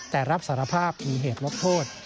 แต่รับสารภาพมีเหตุลดโทษ